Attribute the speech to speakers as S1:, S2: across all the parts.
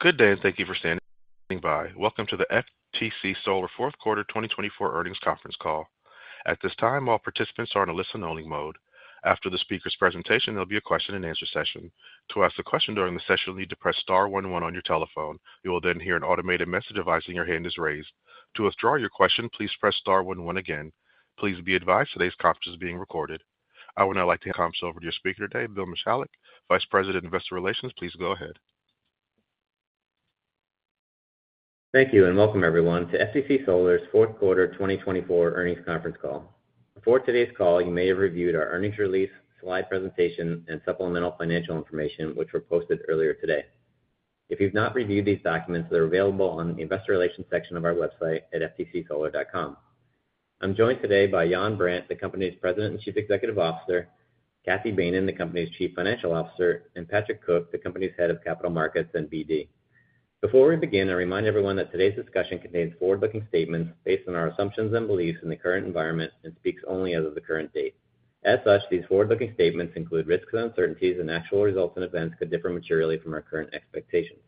S1: Good day, and thank you for standing by. Welcome to the FTC Solar fourth quarter 2024 earnings conference call. At this time, all participants are in a listen-only mode. After the speaker's presentation, there'll be a question-and-answer session. To ask a question during the session, you'll need to press Star one one on your telephone. You will then hear an automated message advising your hand is raised. To withdraw your question, please press Star one one again. Please be advised today's conference is being recorded. I would now like to hand the conference over to your speaker today, Bill Michalek, Vice President of Investor Relations. Please go ahead.
S2: Thank you, and welcome everyone to FTC Solar's fourth quarter 2024 earnings conference call. Before today's call, you may have reviewed our earnings release, slide presentation, and supplemental financial information, which were posted earlier today. If you've not reviewed these documents, they're available on the Investor Relations section of our website at ftcsolar.com. I'm joined today by Yann Brandt, the company's President and Chief Executive Officer; Cathy Behnen, the company's Chief Financial Officer; and Patrick Cook, the company's Head of Capital Markets and BD. Before we begin, I remind everyone that today's discussion contains forward-looking statements based on our assumptions and beliefs in the current environment and speaks only as of the current date. As such, these forward-looking statements include risks and uncertainties, and actual results and events could differ materially from our current expectations.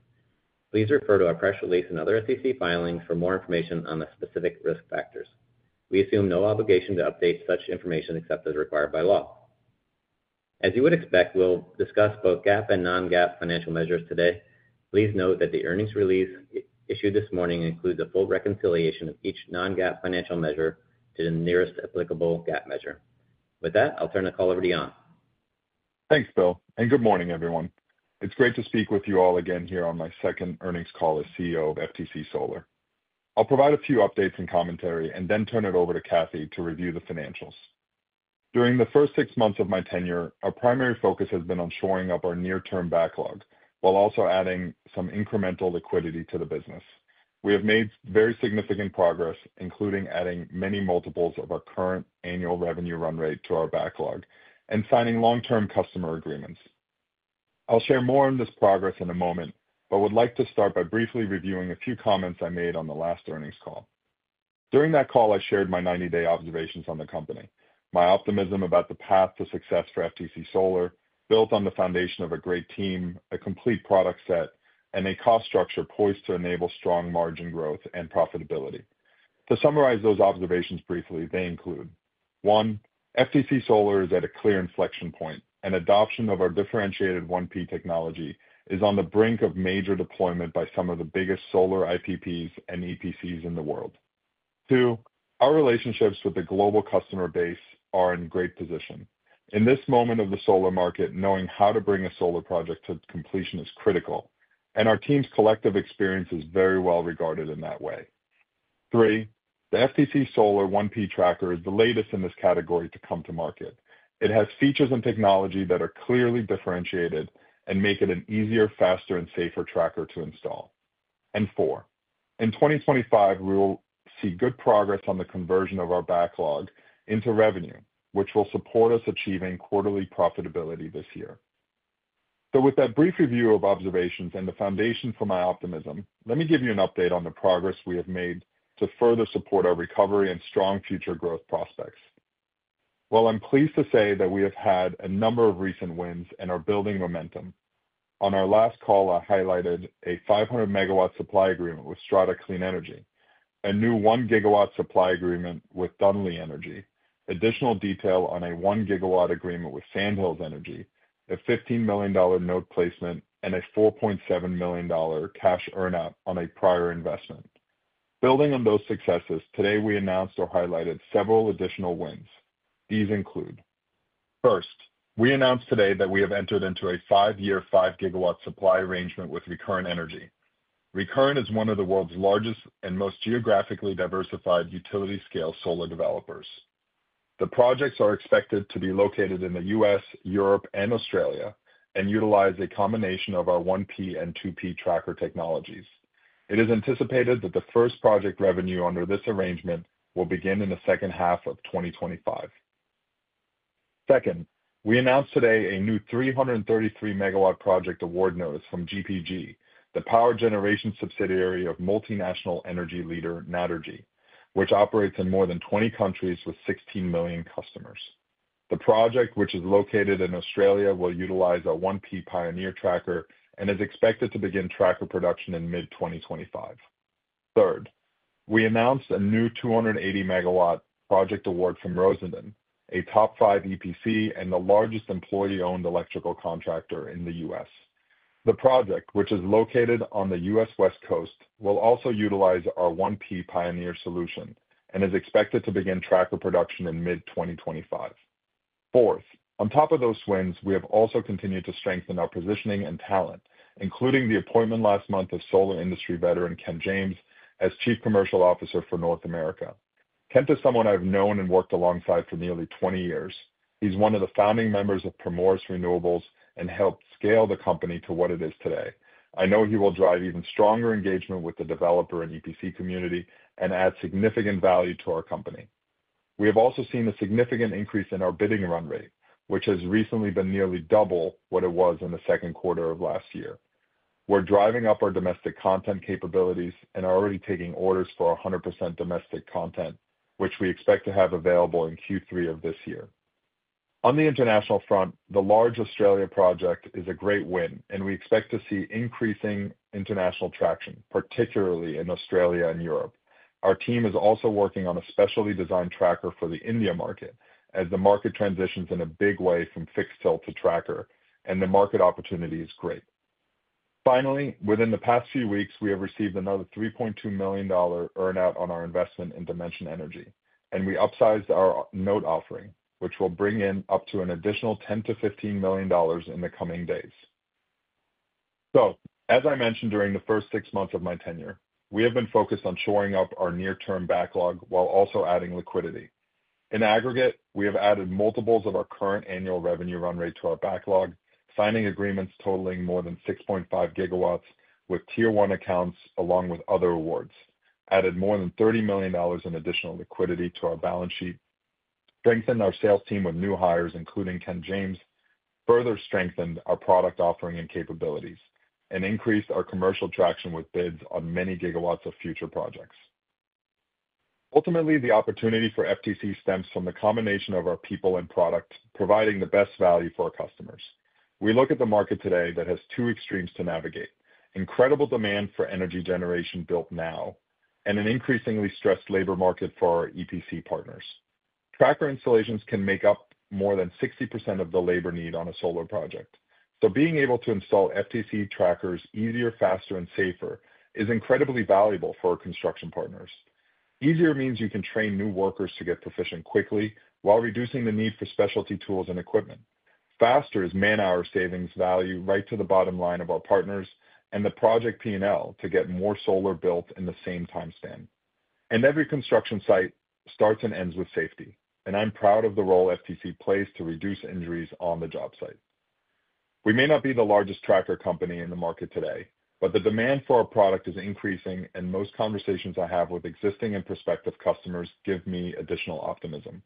S2: Please refer to our press release and other FTC filings for more information on the specific risk factors. We assume no obligation to update such information except as required by law. As you would expect, we'll discuss both GAAP and non-GAAP financial measures today. Please note that the earnings release issued this morning includes a full reconciliation of each non-GAAP financial measure to the nearest applicable GAAP measure. With that, I'll turn the call over to Yann.
S3: Thanks, Bill, and good morning, everyone. It's great to speak with you all again here on my second earnings call as CEO of FTC Solar. I'll provide a few updates and commentary and then turn it over to Cathy to review the financials. During the first six months of my tenure, our primary focus has been on shoring up our near-term backlog while also adding some incremental liquidity to the business. We have made very significant progress, including adding many multiples of our current annual revenue run rate to our backlog and signing long-term customer agreements. I'll share more on this progress in a moment, but would like to start by briefly reviewing a few comments I made on the last earnings call. During that call, I shared my 90-day observations on the company, my optimism about the path to success for FTC Solar, built on the foundation of a great team, a complete product set, and a cost structure poised to enable strong margin growth and profitability. To summarize those observations briefly, they include: One, FTC Solar is at a clear inflection point, and adoption of our differentiated 1P technology is on the brink of major deployment by some of the biggest solar IPPs and EPCs in the world. Two, our relationships with the global customer base are in great position. In this moment of the solar market, knowing how to bring a solar project to completion is critical, and our team's collective experience is very well regarded in that way. Three, the FTC Solar 1P tracker is the latest in this category to come to market. It has features and technology that are clearly differentiated and make it an easier, faster, and safer tracker to install. Four, in 2025, we will see good progress on the conversion of our backlog into revenue, which will support us achieving quarterly profitability this year. With that brief review of observations and the foundation for my optimism, let me give you an update on the progress we have made to further support our recovery and strong future growth prospects. I am pleased to say that we have had a number of recent wins and are building momentum. On our last call, I highlighted a 500 MW supply agreement with Strata Clean Energy, a new 1 GW supply agreement with Dunlieh Energy, additional detail on a 1 GW agreement with Sandhills Energy, a $15 million note placement, and a $4.7 million cash earn-out on a prior investment. Building on those successes, today we announced or highlighted several additional wins. These include: First, we announced today that we have entered into a five-year, 5 GW supply arrangement with Recurrent Energy. Recurrent is one of the world's largest and most geographically diversified utility-scale solar developers. The projects are expected to be located in the U.S., Europe, and Australia and utilize a combination of our 1P and 2P tracker technologies. It is anticipated that the first project revenue under this arrangement will begin in the second half of 2025. Second, we announced today a new 333-megawatt project award notice from GPG, the power generation subsidiary of multinational energy leader Naturgy, which operates in more than 20 countries with 16 million customers. The project, which is located in Australia, will utilize a 1P Pioneer Tracker and is expected to begin tracker production in mid-2025. Third, we announced a new 280 MW project award from Rosendin, a top five EPC and the largest employee-owned electrical contractor in the U.S. The project, which is located on the U.S. West Coast, will also utilize our 1P Pioneer solution and is expected to begin tracker production in mid-2025. Fourth, on top of those wins, we have also continued to strengthen our positioning and talent, including the appointment last month of solar industry veteran Kent James as Chief Commercial Officer for North America. Kent is someone I've known and worked alongside for nearly 20 years. He's one of the founding members of Primoris Renewables and helped scale the company to what it is today. I know he will drive even stronger engagement with the developer and EPC community and add significant value to our company. We have also seen a significant increase in our bidding run rate, which has recently been nearly double what it was in the second quarter of last year. We're driving up our domestic content capabilities and are already taking orders for 100% domestic content, which we expect to have available in Q3 of this year. On the international front, the large Australia project is a great win, and we expect to see increasing international traction, particularly in Australia and Europe. Our team is also working on a specially designed tracker for the India market, as the market transitions in a big way from fixed tilt to tracker, and the market opportunity is great. Finally, within the past few weeks, we have received another $3.2 million earn-out on our investment in Dimension Energy, and we upsized our note offering, which will bring in up to an additional $10 million-$15 million in the coming days. As I mentioned during the first six months of my tenure, we have been focused on shoring up our near-term backlog while also adding liquidity. In aggregate, we have added multiples of our current annual revenue run rate to our backlog, signing agreements totaling more than 6.5 GW with tier one accounts along with other awards, added more than $30 million in additional liquidity to our balance sheet, strengthened our sales team with new hires, including Kent James, further strengthened our product offering and capabilities, and increased our commercial traction with bids on many gigawatts of future projects. Ultimately, the opportunity for FTC stems from the combination of our people and product providing the best value for our customers. We look at the market today that has two extremes to navigate: incredible demand for energy generation built now and an increasingly stressed labor market for our EPC partners. Tracker installations can make up more than 60% of the labor need on a solar project, so being able to install FTC trackers easier, faster, and safer is incredibly valuable for our construction partners. Easier means you can train new workers to get proficient quickly while reducing the need for specialty tools and equipment. Faster is man-hour savings value right to the bottom line of our partners and the project P&L to get more solar built in the same timespan. Every construction site starts and ends with safety, and I'm proud of the role FTC plays to reduce injuries on the job site. We may not be the largest tracker company in the market today, but the demand for our product is increasing, and most conversations I have with existing and prospective customers give me additional optimism.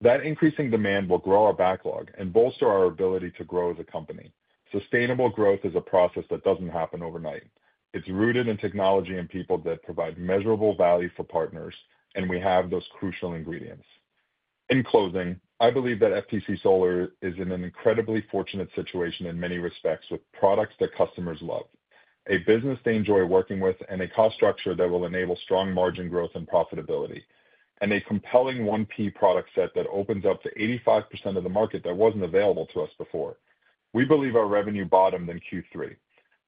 S3: That increasing demand will grow our backlog and bolster our ability to grow as a company. Sustainable growth is a process that doesn't happen overnight. It's rooted in technology and people that provide measurable value for partners, and we have those crucial ingredients. In closing, I believe that FTC Solar is in an incredibly fortunate situation in many respects with products that customers love, a business they enjoy working with, and a cost structure that will enable strong margin growth and profitability, and a compelling 1P product set that opens up to 85% of the market that wasn't available to us before. We believe our revenue bottomed in Q3.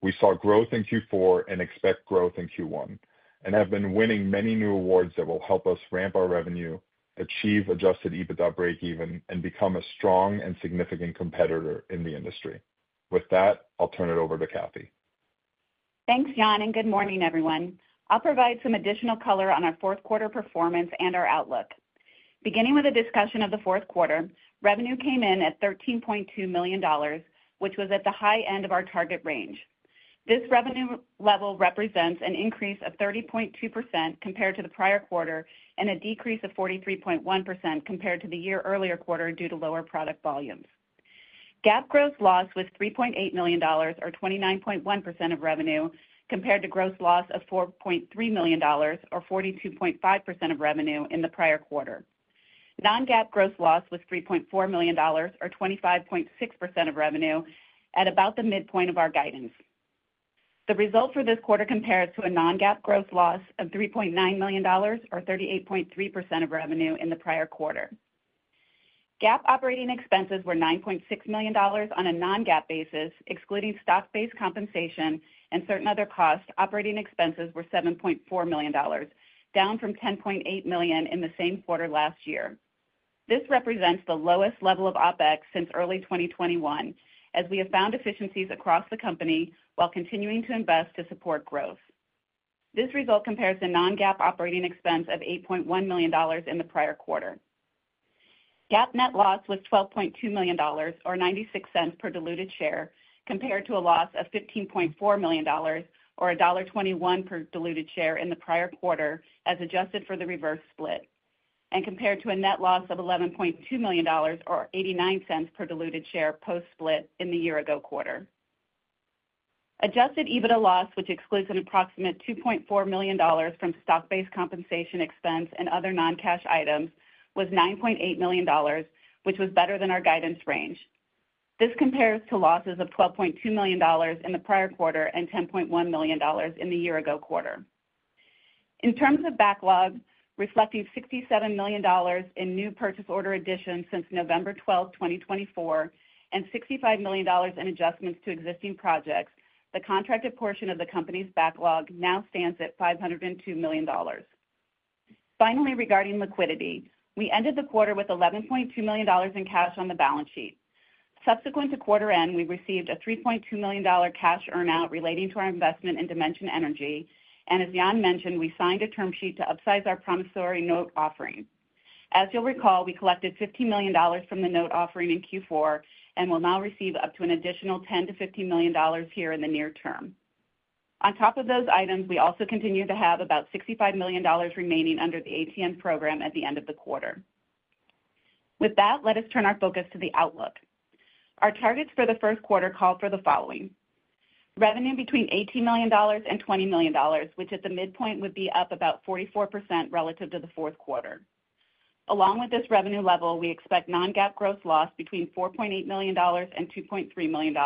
S3: We saw growth in Q4 and expect growth in Q1 and have been winning many new awards that will help us ramp our revenue, achieve adjusted EBITDA breakeven, and become a strong and significant competitor in the industry. With that, I'll turn it over to Cathy.
S4: Thanks, Yann, and good morning, everyone. I'll provide some additional color on our fourth quarter performance and our outlook. Beginning with a discussion of the fourth quarter, revenue came in at $13.2 million, which was at the high end of our target range. This revenue level represents an increase of 30.2% compared to the prior quarter and a decrease of 43.1% compared to the year earlier quarter due to lower product volumes. GAAP gross loss was $3.8 million, or 29.1% of revenue, compared to gross loss of $4.3 million, or 42.5% of revenue in the prior quarter. Non-GAAP gross loss was $3.4 million, or 25.6% of revenue, at about the midpoint of our guidance. The result for this quarter compares to a non-GAAP gross loss of $3.9 million, or 38.3% of revenue in the prior quarter. GAAP operating expenses were $9.6 million. On a non-GAAP basis, excluding stock-based compensation and certain other costs, operating expenses were $7.4 million, down from $10.8 million in the same quarter last year. This represents the lowest level of OpEx since early 2021, as we have found efficiencies across the company while continuing to invest to support growth. This result compares to non-GAAP operating expense of $8.1 million in the prior quarter. GAAP net loss was $12.2 million, or $0.96 per diluted share, compared to a loss of $15.4 million, or $1.21 per diluted share in the prior quarter as adjusted for the reverse split, and compared to a net loss of $11.2 million, or $0.89 per diluted share post-split in the year-ago quarter. Adjusted EBITDA loss, which excludes an approximate $2.4 million from stock-based compensation expense and other non-cash items, was $9.8 million, which was better than our guidance range. This compares to losses of $12.2 million in the prior quarter and $10.1 million in the year-ago quarter. In terms of backlog, reflecting $67 million in new purchase order additions since November 12th, 2024, and $65 million in adjustments to existing projects, the contracted portion of the company's backlog now stands at $502 million. Finally, regarding liquidity, we ended the quarter with $11.2 million in cash on the balance sheet. Subsequent to quarter end, we received a $3.2 million cash earn-out relating to our investment in Dimension Energy, and as Yann mentioned, we signed a term sheet to upsize our promissory note offering. As you'll recall, we collected $50 million from the note offering in Q4 and will now receive up to an additional $10 million-$15 million here in the near-term. On top of those items, we also continue to have about $65 million remaining under the ATM program at the end of the quarter. With that, let us turn our focus to the outlook. Our targets for the first quarter call for the following: revenue between $18 million-$20 million, which at the midpoint would be up about 44% relative to the fourth quarter. Along with this revenue level, we expect non-GAAP gross loss between $4.8 million-$2.3 million,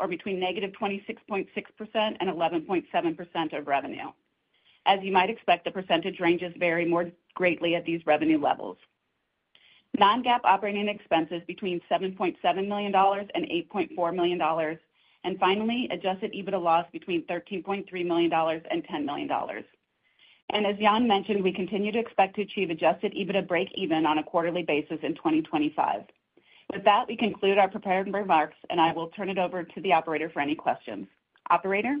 S4: or between -26.6% and 11.7% of revenue. As you might expect, the percentage ranges vary more greatly at these revenue levels. Non-GAAP operating expenses between $7.7 million and $8.4 million, and finally, adjusted EBITDA loss between $13.3 million and $10 million. As Yann mentioned, we continue to expect to achieve adjusted EBITDA breakeven on a quarterly basis in 2025. With that, we conclude our prepared remarks, and I will turn it over to the operator for any questions. Operator.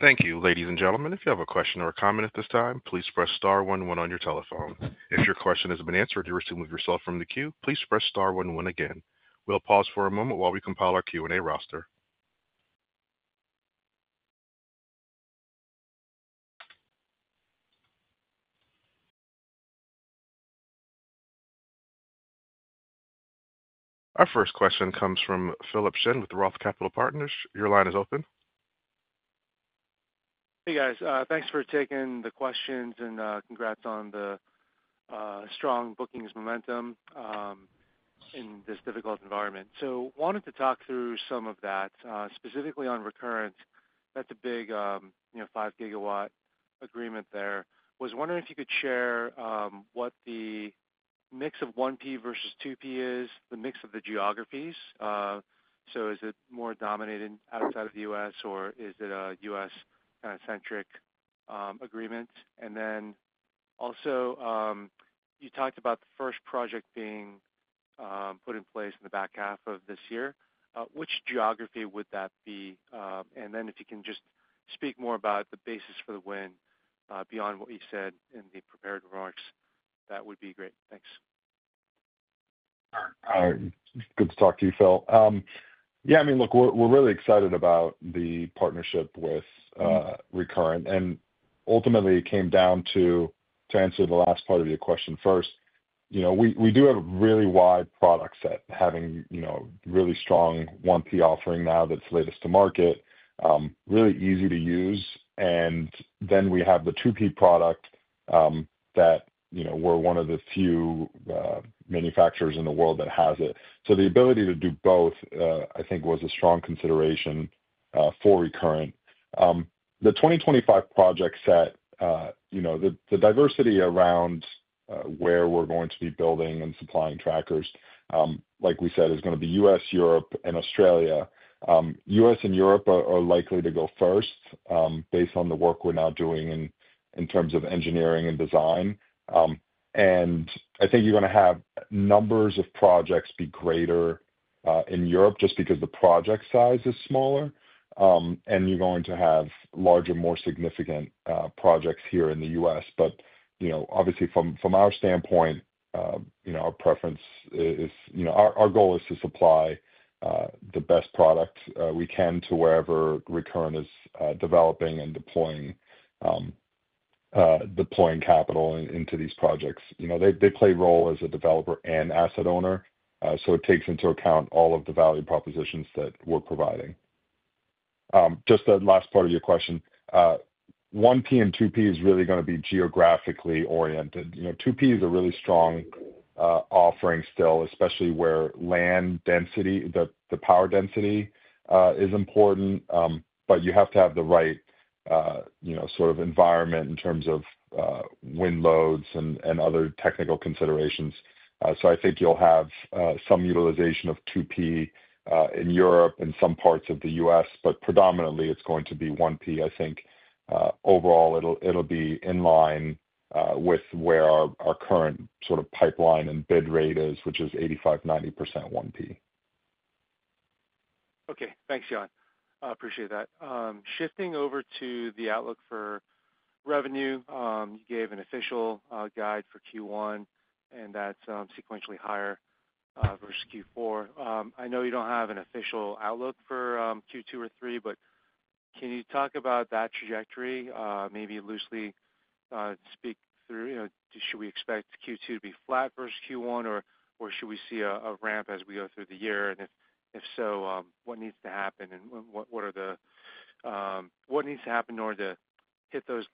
S1: Thank you. Ladies and gentlemen, if you have a question or a comment at this time, please press star one one on your telephone. If your question has been answered or you wish to remove yourself from the queue, please press star one one again. We'll pause for a moment while we compile our Q&A roster. Our first question comes from Philip Shen with Roth Capital Partners. Your line is open.
S5: Hey, guys. Thanks for taking the questions and congrats on the strong bookings momentum in this difficult environment. I wanted to talk through some of that, specifically on Recurrent. That's a big five-gigawatt agreement there. Was wondering if you could share what the mix of 1P versus 2P is, the mix of the geographies. Is it more dominated outside of the U.S., or is it a U.S. kind of centric agreement? You talked about the first project being put in place in the back half of this year. Which geography would that be? If you can just speak more about the basis for the win beyond what you said in the prepared remarks, that would be great. Thanks.
S3: Good to talk to you, Phil. Yeah, I mean, look, we're really excited about the partnership with Recurrent. Ultimately, it came down to, to answer the last part of your question first, we do have a really wide product set, having a really strong 1P offering now that's latest to market, really easy to use. We have the 2P product that we're one of the few manufacturers in the world that has it. The ability to do both, I think, was a strong consideration for Recurrent. The 2025 project set, the diversity around where we're going to be building and supplying trackers, like we said, is going to be U.S., Europe, and Australia. US and Europe are likely to go first based on the work we're now doing in terms of engineering and design. I think you're going to have numbers of projects be greater in Europe just because the project size is smaller, and you're going to have larger, more significant projects here in the U.S. Obviously, from our standpoint, our preference is our goal is to supply the best product we can to wherever Recurrent is developing and deploying capital into these projects. They play a role as a developer and asset owner, so it takes into account all of the value propositions that we're providing. Just the last part of your question, 1P and 2P is really going to be geographically oriented. 2P is a really strong offering still, especially where land density, the power density is important, but you have to have the right sort of environment in terms of wind loads and other technical considerations. I think you'll have some utilization of 2P in Europe and some parts of the US, but predominantly, it's going to be 1P. I think overall, it'll be in line with where our current sort of pipeline and bid rate is, which is 85%-90% 1P.
S5: Okay. Thanks, Yann. Appreciate that. Shifting over to the outlook for revenue, you gave an official guide for Q1, and that's sequentially higher versus Q4. I know you don't have an official outlook for Q2 or Q3, but can you talk about that trajectory, maybe loosely speak through, should we expect Q2 to be flat versus Q1, or should we see a ramp as we go through the year? If so, what needs to happen? What needs to happen in order to hit those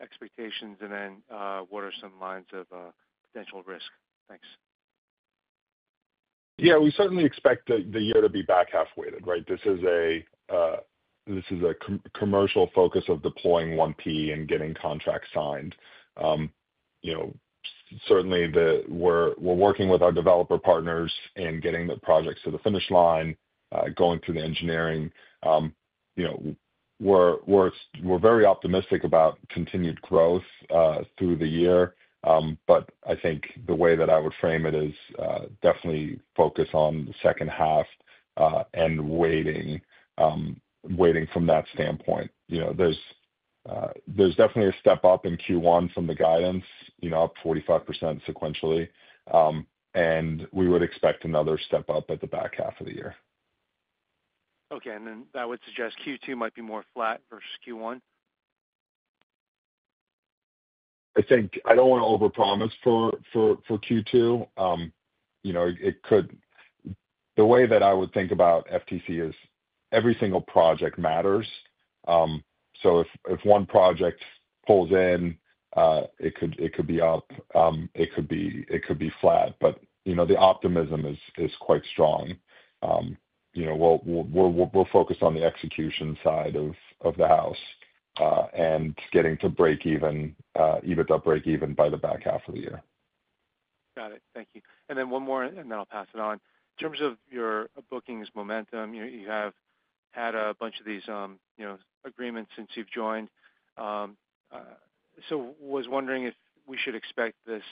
S5: expectations, and then what are some lines of potential risk? Thanks.
S3: Yeah, we certainly expect the year to be back half-weighted, right? This is a commercial focus of deploying 1P and getting contracts signed. Certainly, we're working with our developer partners in getting the projects to the finish line, going through the engineering. We're very optimistic about continued growth through the year, but I think the way that I would frame it is definitely focus on the second half and waiting from that standpoint. There's definitely a step up in Q1 from the guidance, up 45% sequentially, and we would expect another step up at the back half of the year.
S5: Okay. That would suggest Q2 might be more flat versus Q1?
S3: I think I don't want to overpromise for Q2. The way that I would think about FTC is every single project matters. If one project pulls in, it could be up, it could be flat, but the optimism is quite strong. We're focused on the execution side of the house and getting to breakeven, EBITDA breakeven by the back half of the year.
S5: Got it. Thank you. One more, and then I'll pass it on. In terms of your bookings momentum, you have had a bunch of these agreements since you've joined. I was wondering if we should expect this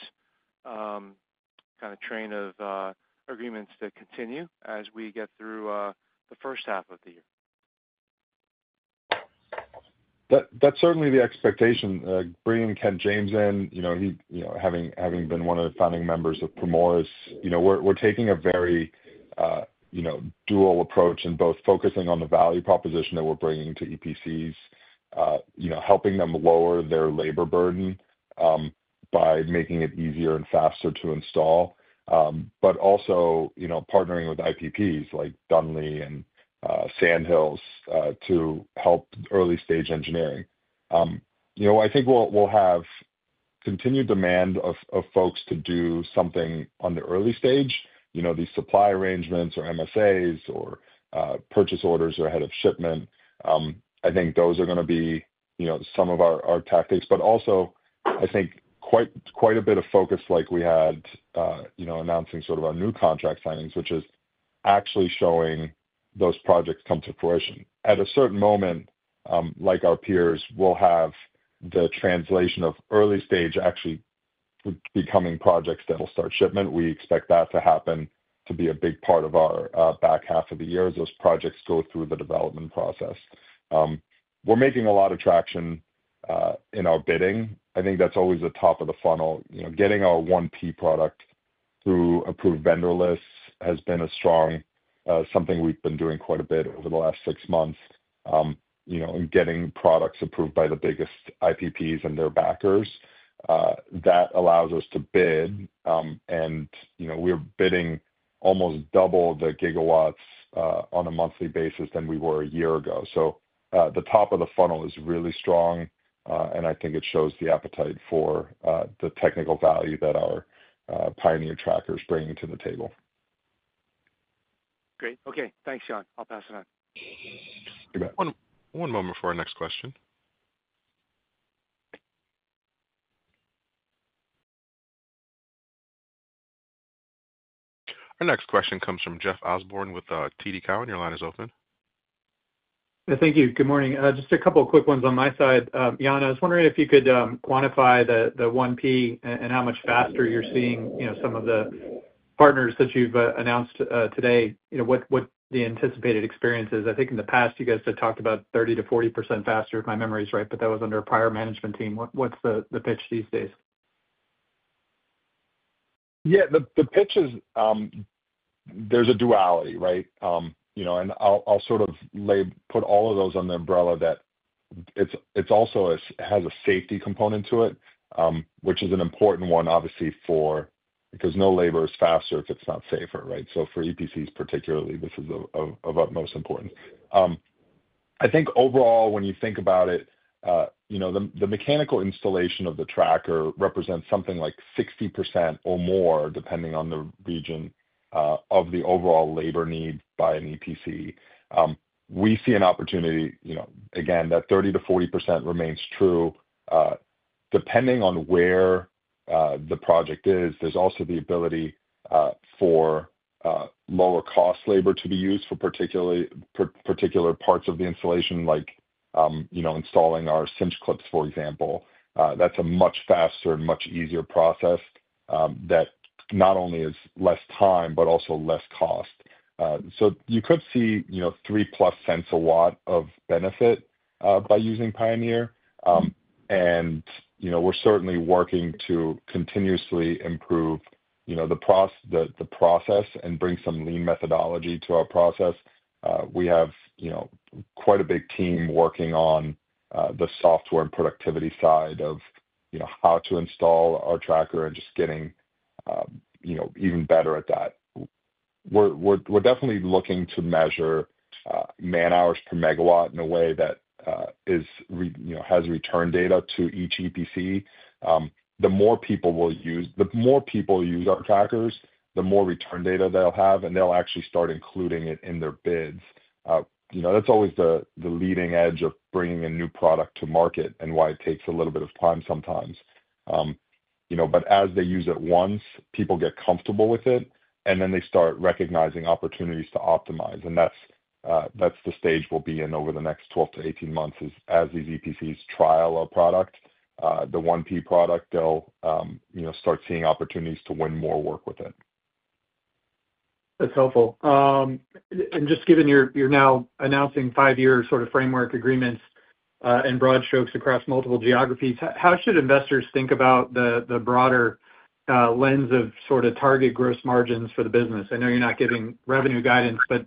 S5: kind of train of agreements to continue as we get through the first half of the year.
S3: That's certainly the expectation. Bringing Kent James in, having been one of the founding members of Primoris, we're taking a very dual approach in both focusing on the value proposition that we're bringing to EPCs, helping them lower their labor burden by making it easier and faster to install, but also partnering with IPPs like Dunlieh and Sandhills to help early-stage engineering. I think we'll have continued demand of folks to do something on the early stage, these supply arrangements or MSAs or purchase orders or ahead of shipment. I think those are going to be some of our tactics, but also I think quite a bit of focus like we had announcing sort of our new contract signings, which is actually showing those projects come to fruition. At a certain moment, like our peers, we'll have the translation of early-stage actually becoming projects that will start shipment. We expect that to happen to be a big part of our back half of the year as those projects go through the development process. We're making a lot of traction in our bidding. I think that's always the top of the funnel. Getting our 1P product through approved vendor lists has been a strong something we've been doing quite a bit over the last six months in getting products approved by the biggest IPPs and their backers. That allows us to bid, and we're bidding almost double the gigawatts on a monthly basis than we were a year ago. The top of the funnel is really strong, and I think it shows the appetite for the technical value that our Pioneer trackers bring to the table.
S5: Great. Okay. Thanks, Yann. I'll pass it on.
S1: One moment for our next question. Our next question comes from Jeff Osborne with TD Cowen. Your line is open.
S6: Thank you. Good morning. Just a couple of quick ones on my side. Yann, I was wondering if you could quantify the 1P and how much faster you're seeing some of the partners that you've announced today, what the anticipated experience is. I think in the past, you guys had talked about 30%-40% faster, if my memory is right, but that was under a prior management team. What's the pitch these days?
S3: Yeah, the pitch is there's a duality, right? I'll sort of put all of those under the umbrella that it also has a safety component to it, which is an important one, obviously, because no labor is faster if it's not safer, right? For EPCs particularly, this is of utmost importance. I think overall, when you think about it, the mechanical installation of the tracker represents something like 60% or more, depending on the region, of the overall labor need by an EPC. We see an opportunity, again, that 30%-40% remains true. Depending on where the project is, there's also the ability for lower-cost labor to be used for particular parts of the installation, like installing our Cinch clips, for example. That's a much faster and much easier process that not only is less time, but also less cost. You could see three-plus cents a watt of benefit by using Pioneer. We're certainly working to continuously improve the process and bring some lean methodology to our process. We have quite a big team working on the software and productivity side of how to install our tracker and just getting even better at that. We're definitely looking to measure man-hours per megawatt in a way that has return data to each EPC. The more people use our trackers, the more return data they'll have, and they'll actually start including it in their bids. That's always the leading edge of bringing a new product to market and why it takes a little bit of time sometimes. As they use it once, people get comfortable with it, and then they start recognizing opportunities to optimize. That is the stage we will be in over the next 12 to 18 months as these EPCs trial a product. The 1P product, they will start seeing opportunities to win more work with it.
S6: That's helpful. Just given you're now announcing five-year sort of framework agreements and broad strokes across multiple geographies, how should investors think about the broader lens of sort of target gross margins for the business? I know you're not giving revenue guidance, but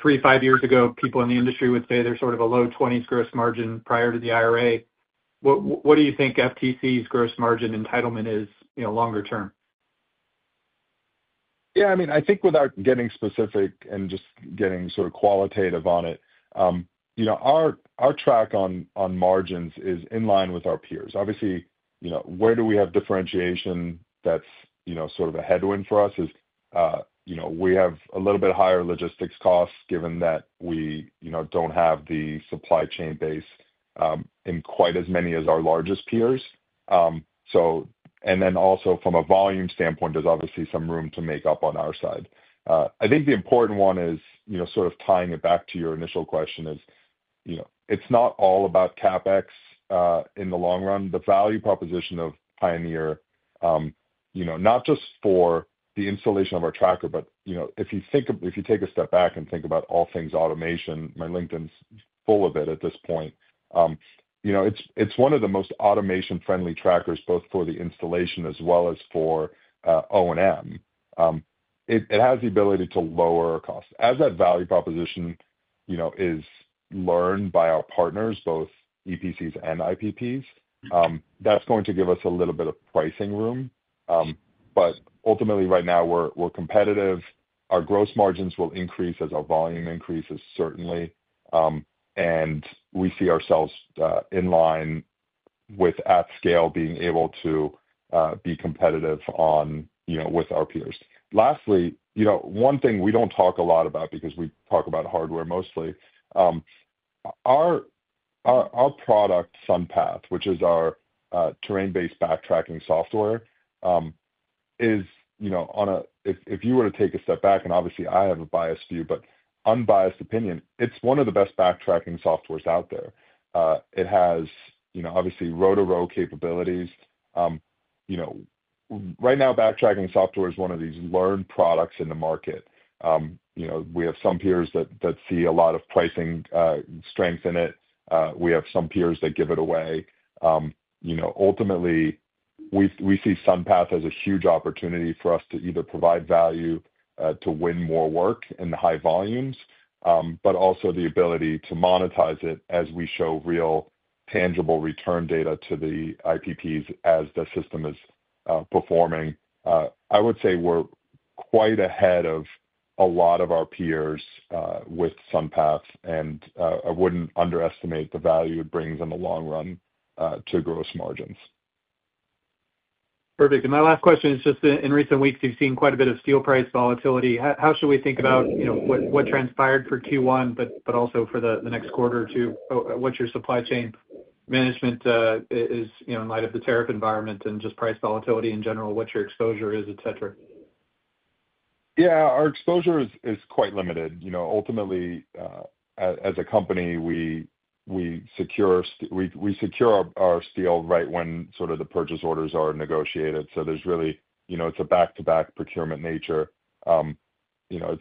S6: three, five years ago, people in the industry would say they're sort of a low 20s gross margin prior to the IRA. What do you think FTC's gross margin entitlement is longer-term?
S3: Yeah, I mean, I think without getting specific and just getting sort of qualitative on it, our track on margins is in line with our peers. Obviously, where do we have differentiation that's sort of a headwind for us is we have a little bit higher logistics costs given that we don't have the supply chain base in quite as many as our largest peers. Also, from a volume standpoint, there's obviously some room to make up on our side. I think the important one is sort of tying it back to your initial question is it's not all about CapEx in the long run. The value proposition of Pioneer, not just for the installation of our tracker, but if you take a step back and think about all things automation, my LinkedIn's full of it at this point, it's one of the most automation-friendly trackers both for the installation as well as for O&M. It has the ability to lower cost. As that value proposition is learned by our partners, both EPCs and IPPs, that's going to give us a little bit of pricing room. Ultimately, right now, we're competitive. Our gross margins will increase as our volume increases, certainly. We see ourselves in line with at scale being able to be competitive with our peers. Lastly, one thing we do not talk a lot about because we talk about hardware mostly, our product, SunPath, which is our terrain-based backtracking software, is on a, if you were to take a step back, and obviously, I have a biased view, but unbiased opinion, it is one of the best backtracking softwares out there. It has obviously row-to-row capabilities. Right now, backtracking software is one of these learned products in the market. We have some peers that see a lot of pricing strength in it. We have some peers that give it away. Ultimately, we see SunPath as a huge opportunity for us to either provide value to win more work in the high volumes, but also the ability to monetize it as we show real tangible return data to the IPPs as the system is performing. I would say we're quite ahead of a lot of our peers with SunPath, and I wouldn't underestimate the value it brings in the long run to gross margins.
S6: Perfect. My last question is just in recent weeks, you've seen quite a bit of steel price volatility. How should we think about what transpired for Q1, but also for the next quarter or two? What's your supply chain management in light of the tariff environment and just price volatility in general, what your exposure is, etc.?
S3: Yeah, our exposure is quite limited. Ultimately, as a company, we secure our steel right when sort of the purchase orders are negotiated. There is really, it is a back-to-back procurement nature. It is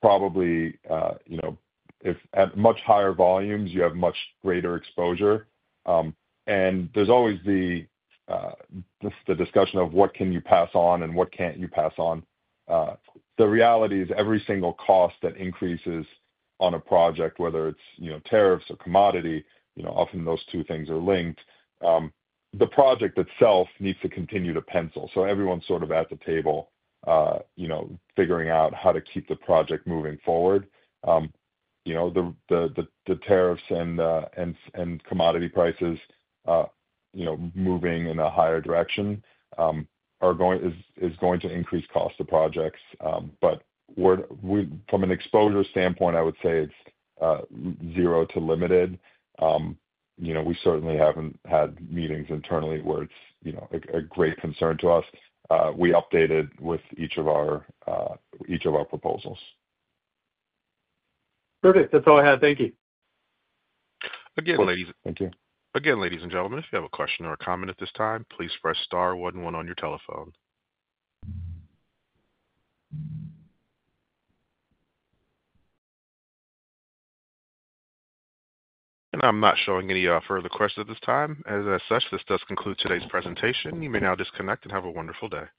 S3: probably if at much higher volumes, you have much greater exposure. There is always the discussion of what can you pass on and what cannot you pass on. The reality is every single cost that increases on a project, whether it is tariffs or commodity, often those two things are linked. The project itself needs to continue to pencil. Everyone is sort of at the table figuring out how to keep the project moving forward. The tariffs and commodity prices moving in a higher direction is going to increase costs of projects. From an exposure standpoint, I would say it is zero to limited. We certainly have not had meetings internally where it is a great concern to us. We update it with each of our proposals.
S6: Perfect. That's all I had. Thank you.
S1: Again, ladies.
S6: Thank you.
S1: Again, ladies and gentlemen, if you have a question or a comment at this time, please press star one one on your telephone. I am not showing any further questions at this time. As such, this does conclude today's presentation. You may now disconnect and have a wonderful day.